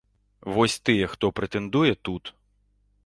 Вось тыя, хто прэтэндуе, тут.